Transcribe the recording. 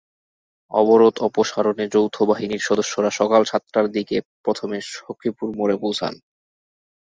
অবরোধ অপসারণে যৌথ বাহিনীর সদস্যরা সকাল সাতটার দিকে প্রথমে সখীপুর মোড়ে পৌঁছান।